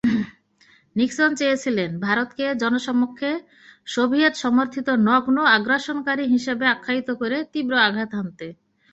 Nixon চেয়েছিলেন, ভারতকে জনসমক্ষে সোভিয়েতসমর্থিত নগ্ন আগ্রাসনকারী হিসেবে আখ্যায়িত করে তীব্র আঘাত হানতে।